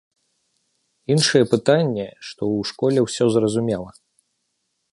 Іншае пытанне, што ў школе ўсё зразумела.